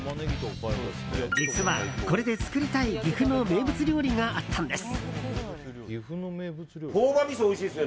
実は、これで作りたい岐阜の名物料理があったんです。